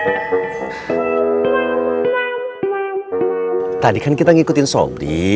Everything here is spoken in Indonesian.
overem terijak lagi mengantar sa